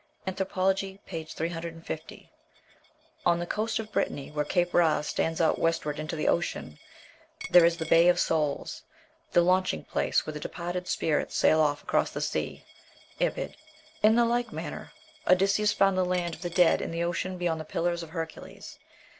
("Anthropology," p. 350.) "On the coast of Brittany, where Cape Raz stands out westward into the ocean, there is 'the Bay of Souls,' the launching place where the departed spirits sail off across the sea." (Ibid.) In like manner, Odysseus found the land of the dead in the ocean beyond the Pillars of Hercules.